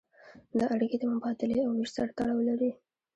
دا اړیکې د مبادلې او ویش سره تړاو لري.